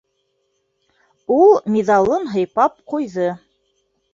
- Ул миҙалын һыйпап ҡуйҙы.